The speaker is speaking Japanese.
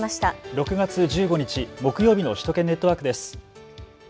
６月１５日木曜日の首都圏ネットワークです。